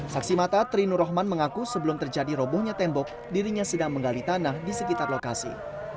saksi mata trinu rohman mengaku sebelum terjadi robohnya tembok dirinya sedang menggali tanah di sekitar lokasi